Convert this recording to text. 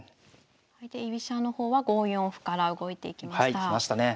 で居飛車の方は５四歩から動いていきました。